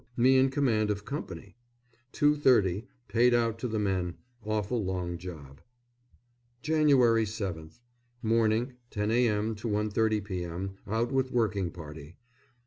Me in command of company! Two thirty, paid out to the men. Awful long job. Jan. 7th. Morning, 10 a.m. to 1.30 p.m., out with working party.